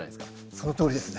そのとおりですね。